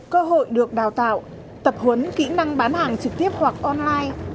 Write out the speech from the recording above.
cơ hội được đào tạo tập huấn kỹ năng bán hàng trực tiếp hoặc online